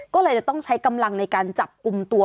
ก็เลยจะต้องใช้กำลังในการจับกลุ่มตัว